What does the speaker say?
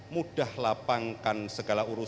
mudah lapangkan segala urusan